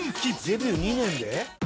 「デビュー２年で？」